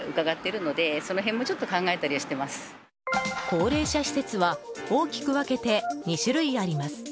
高齢者施設は大きく分けて２種類あります。